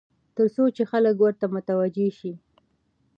تر څو چې خلک ورته متوجع شي.